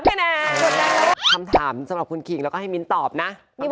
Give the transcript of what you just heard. อันที่หนึ่งคำถามสำหรับคุณคุณคุณแล้วก็ให้มินตอบนะ